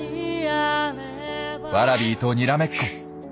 ワラビーとにらめっこ。